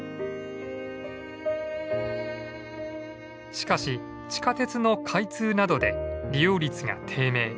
しかし地下鉄の開通などで利用率が低迷。